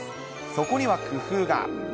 そこには工夫が。